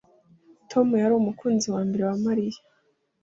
Tom yari umukunzi wa mbere wa Mariya